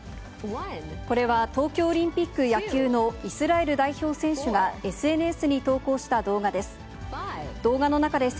これは東京オリンピック野球のイスラエル代表選手がＳＮＳに投稿した動画です。